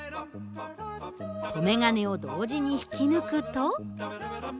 留め金を同時に引き抜くと。